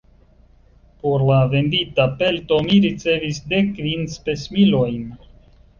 Por la vendita pelto mi ricevis dek kvin spesmilojn.